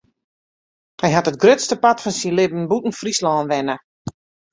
Hy hat it grutste part fan syn libben bûten Fryslân wenne.